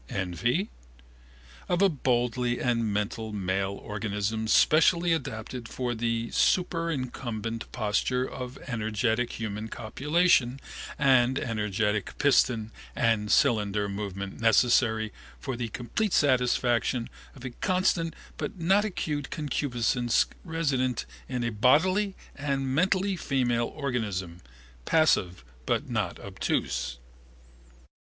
Envy? Of a bodily and mental male organism specially adapted for the superincumbent posture of energetic human copulation and energetic piston and cylinder movement necessary for the complete satisfaction of a constant but not acute concupiscence resident in a bodily and mental female organism, passive but not obtuse.